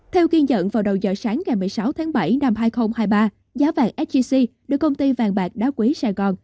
theo kiên dẫn vào đầu giờ sáng ngày một mươi sáu tháng bảy năm hai nghìn hai mươi ba giá vàng sgc được công ty vàng bạc đá quý sài gòn